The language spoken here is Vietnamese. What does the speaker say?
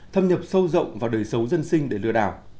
thâm nhập sâu rộng vào đời sống dân sinh để lừa đảo